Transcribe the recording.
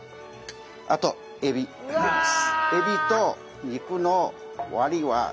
あとエビ入れます。